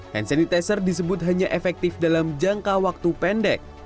hand sanitizer disebut hanya efektif dalam jangka waktu pendek